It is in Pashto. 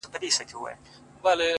د سازو ښا ته دې جامعه الکمالات ولېږه;